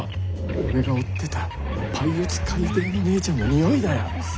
俺が追ってたパイオツカイデーのねえちゃんの匂いだよ。